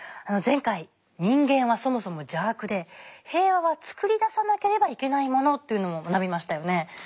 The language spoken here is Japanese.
前回人間はそもそも邪悪で平和は創り出さなければいけないものというのも学びましたよね。